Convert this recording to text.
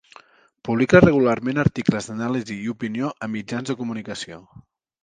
Publica regularment articles d'anàlisi i opinió a mitjans de comunicació.